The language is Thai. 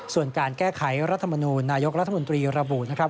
ส่วนการแก้ไขรัฐมนูลนายกรัฐมนตรีระบุนะครับ